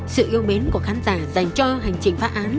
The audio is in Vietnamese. sự yêu mến của khán giả dành cho hành trình phá án